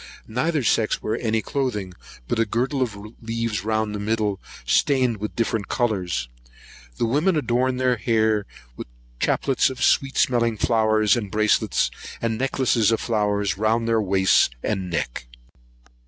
Neither sex wear any cloathing but a girdle of leaves round their middle, stained with different colours. The women adorn their hair with chaplets of sweet smelling flowers and bracelets, and necklaces of flowers round their wrists and neck.